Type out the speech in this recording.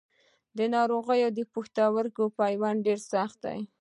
د ناروغ پښتورګي پیوند ډېر سخت دی.